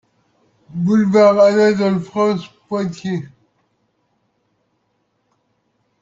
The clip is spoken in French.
Boulevard Anatole-France, Poitiers